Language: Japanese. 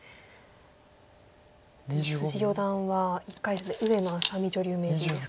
四段は１回戦で上野愛咲美女流名人ですか。